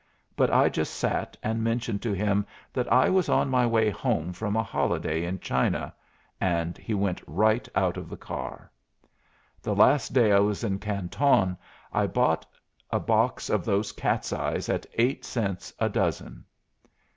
But I just sat and mentioned to him that I was on my way home from a holiday in China, and he went right out of the car. The last day I was in Canton I bought a box of those cat's eyes at eight cents a dozen."